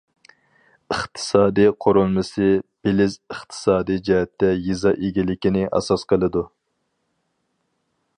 ئىقتىسادىي قۇرۇلمىسى بېلىز ئىقتىسادىي جەھەتتە يېزا ئىگىلىكىنى ئاساس قىلىدۇ.